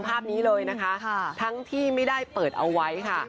ภาพนี้เลยนะคะทั้งที่ไม่ได้เปิดเอาไว้ค่ะ